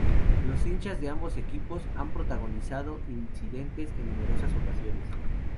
Los hinchas de ambos equipos han protagonizado incidentes en numerosas ocasiones.